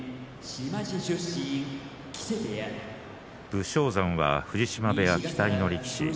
武将山は藤島部屋、期待の力士